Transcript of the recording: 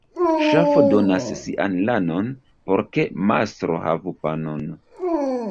Ŝafo donas sian lanon, por ke mastro havu panon.